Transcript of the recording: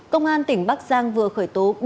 công an tỉnh bắc giang vừa khởi tố